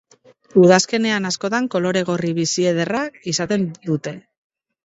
Udazkenean askotan kolore gorri bizi ederra izaten dute.